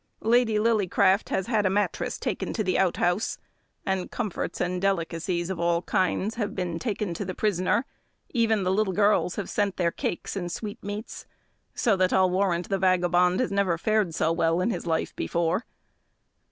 Lady Lillycraft has had a mattress taken to the out house, and comforts and delicacies of all kinds have been taken to the prisoner; even the little girls have sent their cakes and sweet meats; so that, I'll warrant, the vagabond has never fared so well in his life before.